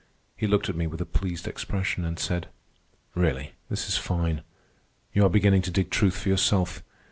He looked at me with a pleased expression, and said: "Really, this is fine. You are beginning to dig truth for yourself.